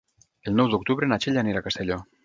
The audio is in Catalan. El nou d'octubre na Txell anirà a Castelló.